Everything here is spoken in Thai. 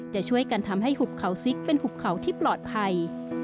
จะช่วยกันทำให้หุบเขาซิกเป็นหุบเขาที่ปลอดภัย